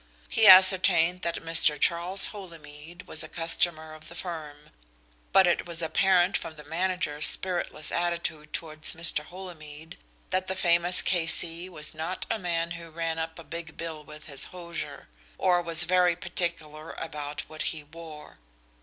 He ascertained that Mr. Charles Holymead was a customer of the firm, but it was apparent from the manager's spiritless attitude towards Mr. Holymead that the famous K.C. was not a man who ran up a big bill with his hosier, or was very particular about what he wore.